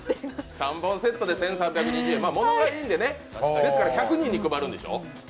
３本セットで１３２０円、ものがいいので１００人に配るんでしょ。